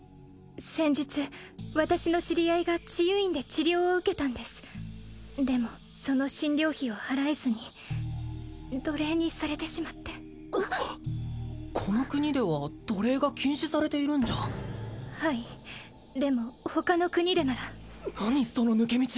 先日私の知り合いが治癒院で治療を受けたんですでもその診療費を払えずに奴隷にされてしまってこの国では奴隷が禁止されているんじゃはいでも他の国でなら何その抜け道！